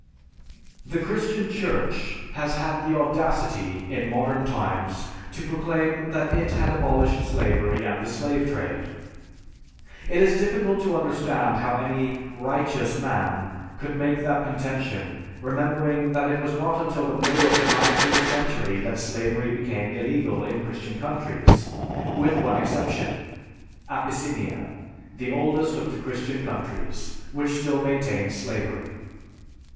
The Christian Church has had the audacity, in modern times, to proclaim that it had abolished slavery and the slave trade. It is difficult to understand how any "righteous" man could make that contention remembering that it was not until the middle of the nineteenth century that slavery became illegal in Christian countries, with one exception, Abyssinia, the oldest of the Christian countries, which still maintains slavery.